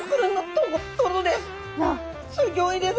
すギョいです